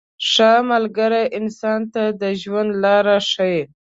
• ښه ملګری انسان ته د ژوند لاره ښیي.